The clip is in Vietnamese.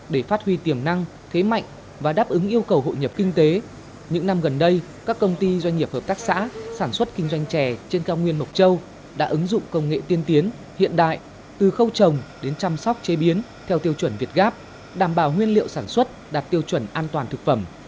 để phát huy tiềm năng thế mạnh và đáp ứng yêu cầu hội nhập kinh tế những năm gần đây các công ty doanh nghiệp hợp tác xã sản xuất kinh doanh chè trên cao nguyên mộc châu đã ứng dụng công nghệ tiên tiến hiện đại từ khâu trồng đến chăm sóc chế biến theo tiêu chuẩn việt gáp đảm bảo nguyên liệu sản xuất đạt tiêu chuẩn an toàn thực phẩm